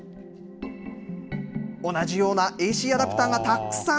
同じようなＡＣアダプターがたくさん。